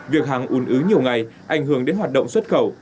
việc hàng ùn ứ nhiều ngày ảnh hưởng đến hoạt động xuất khẩu